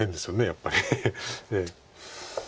やっぱり。